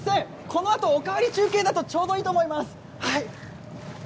このあと、「おかわり中継」だとちょうどいいと思います。